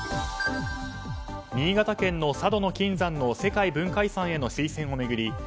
新潟県の佐渡島の金山の世界文化遺産への推薦を巡り